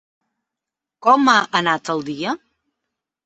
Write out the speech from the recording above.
Com ha anat el dia?